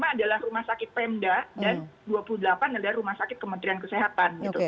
empat ratus sembilan puluh lima adalah rumah sakit pemda dan dua puluh delapan adalah rumah sakit kementerian kesehatan